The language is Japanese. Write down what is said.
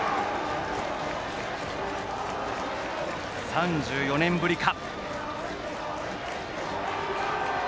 ３４年ぶりか。